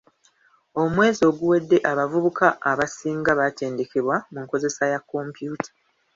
Omwezi oguwedde abavubuka abasinga batendekebwa mu nkozesa ya kompyuta.